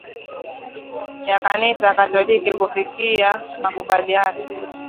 ya kanisa katoliki kufikia makubaliano